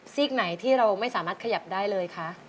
กไหนที่เราไม่สามารถขยับได้เลยคะ